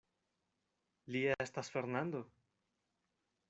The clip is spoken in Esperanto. Li estas Fernando!